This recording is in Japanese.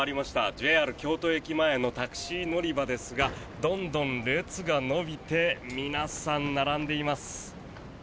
ＪＲ京都駅前のタクシー乗り場ですがどんどん列が伸びて皆さん、並んでいます。